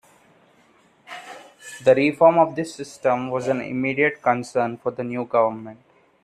The reform of this system was an immediate concern for the new government.